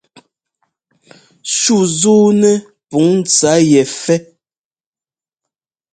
Shú zúunɛ́ pǔn ntsá yɛ fɛ́.